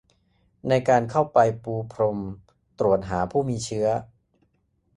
ในการเข้าไปปูพรมตรวจหาผู้มีเชื้อ